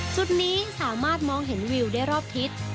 จุดนี้สามารถมองเห็นวิวได้รอบทิศ